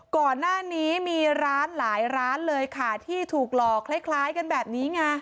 ก่อนหน้านี้มีร้านหลายร้านเลยค่ะที่ถูกหลอกคล้ายกันแบบนี้ไง